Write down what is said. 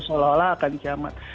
seolah olah akan kiamat